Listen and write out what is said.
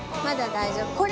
まだ大丈夫。